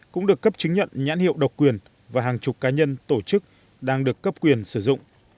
cũng được cấp chứng nhận nhãn hiệu độc quyền và hàng chục cá nhân tổ chức đang được cấp quyền sử dụng